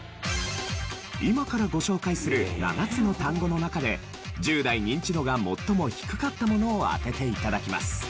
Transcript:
今からご紹介する７つの単語の中で１０代ニンチドが最も低かったものを当てて頂きます。